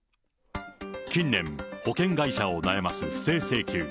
近年、保険会社を悩ます不正請求。